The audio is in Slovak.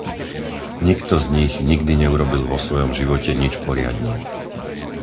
Nikto z nich nikdy neurobil vo svojom živote nič poriadne.